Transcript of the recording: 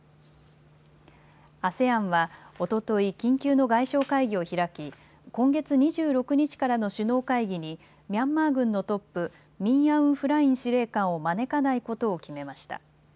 ＡＳＥＡＮはおととい、緊急の外相会議を開き今月２６日からの首脳会議にミャンマー軍のトップ、ミン・アウン・フライン司令官を招かないことを決めました。